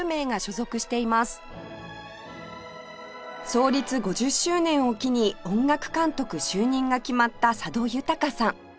創立５０周年を機に音楽監督就任が決まった佐渡裕さん